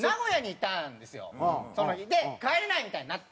で帰れないみたいになって。